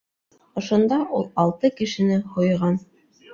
Ошонда ул алты кешене һуйған.